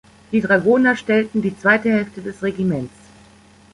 Die Dragoner stellten die zweite Hälfte des Regiments.